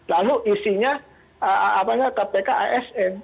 lalu isinya kpk asn